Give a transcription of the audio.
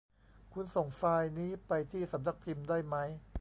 คุณส่งไฟล์นี้ไปที่สำนักพิมพ์ได้มั้ย